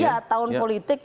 iya tahun politik